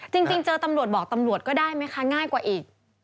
จริงเจอตำรวจบอกตำรวจก็ได้ไหมคะง่ายกว่าอีก